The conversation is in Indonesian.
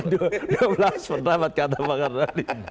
dua belas pendapat kata pak kandadi